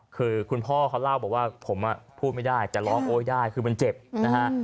คือคุณพ่อเขาเล่าบอกว่าผมพูดไม่ได้แต่ร้องโอ๊ยได้คือมันเจ็บนะฮะ